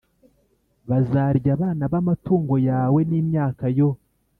Bazarya abana b amatungo yawe n imyaka yo